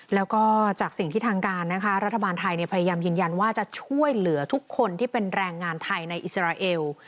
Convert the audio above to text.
แล้วก็จากสิ่งที่ทางการนะคะรัฐบาลไทยพยายามยืนยันว่าจะช่วยเหลือทุกคนที่เป็นแรงงานไทยในอิสราเอล